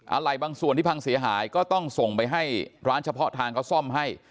อะไรบางส่วนที่พังเสียหายก็ต้องส่งไปให้ร้านเฉพาะทางเขาซ่อมให้